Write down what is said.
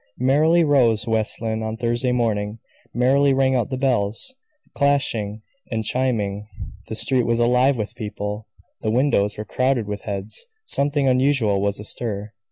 Merrily rose West Lynne on Thursday morning; merrily rang out the bells, clashing and chiming. The street was alive with people; the windows were crowded with heads; something unusual was astir.